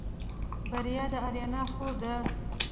بريا د آريا خور ده.